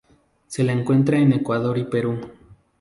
Se la encuentra en Ecuador y Perú.